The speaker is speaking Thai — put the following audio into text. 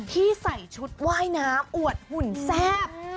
ที่ใส่ชุดว่ายน้ำอวดหุ่นแซ่บ